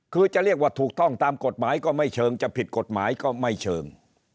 คือจะเรียกว่าถูกต้องตามกฎหมายก็ไม่เชิงจะผิดกฎหมายก็ไม่เชิง